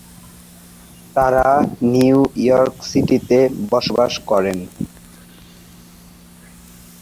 তারা New York বসবাস করেন।